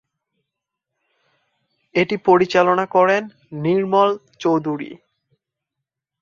এটি পরিচালনা করেন নির্মল চৌধুরী।